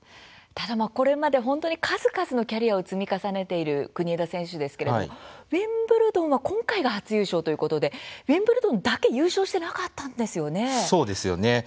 ただ、これまで本当に数々のキャリアを積み重ねている国枝選手ですけれどもウィンブルドンは今回が初優勝ということでウィンブルドンだけ優勝してなかったんですよね。